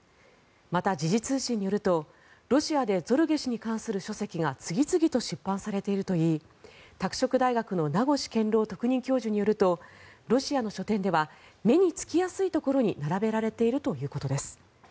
また、時事通信によるとロシアでゾルゲ氏に関する書籍が次々と出版されているといい拓殖大学の名越健郎特任教授によるとロシアの書店では目につきやすいところに並べられているということです。